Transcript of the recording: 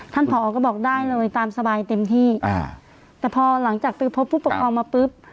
ผอก็บอกได้เลยตามสบายเต็มที่อ่าแต่พอหลังจากไปพบผู้ปกครองมาปุ๊บ